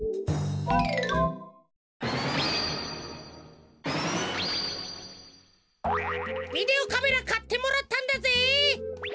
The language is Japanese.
ビデオカメラかってもらったんだぜ。